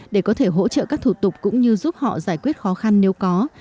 để có thể hỗ trợ các thủ tục cũng như giúp họ giải quyết khó khăn nếu có